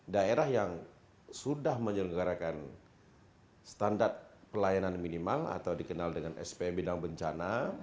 daerah yang sudah menyelenggarakan standar pelayanan minimal atau dikenal dengan spm bidang bencana